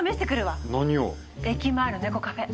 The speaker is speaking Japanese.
駅前の猫カフェ。